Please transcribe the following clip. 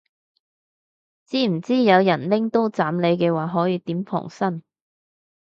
知唔知有人拎刀斬你嘅話可以點防身